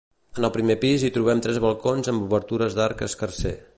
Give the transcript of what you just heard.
En el primer pis hi trobem tres balcons amb obertures d'arc escarser.